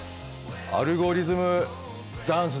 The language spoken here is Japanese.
アルゴリズムダンスだ！